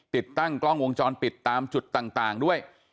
ติดตั้งกล้องวงจรปิดตามจุดต่างด้วย